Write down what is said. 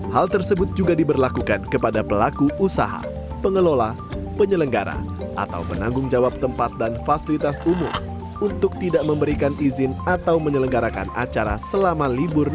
hal tersebut juga diberlakukan kepada pelaku usaha pengelola penyelenggara atau penanggung jawab tempat dan fasilitas umum untuk tidak memberikan izin atau menyelenggarakan acara selama libur